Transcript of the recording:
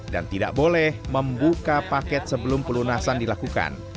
dan tidak boleh membuka paket sebelum pelunasan dilakukan